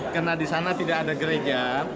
karena di sana tidak ada gereja